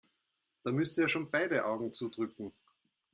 Da müsste er schon beide Augen zudrücken.